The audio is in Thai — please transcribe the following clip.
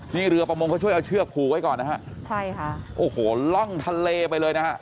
นี่เรือประมงเขาช่วยเอาเชือกผูกไว้ก่อนนะฮะใช่ค่ะโอ้โหล่องทะเลไปเลยนะฮะ